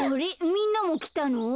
みんなもきたの？